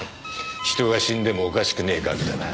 人が死んでもおかしくねえ額だな。